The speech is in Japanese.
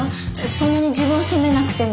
そんなに自分を責めなくても。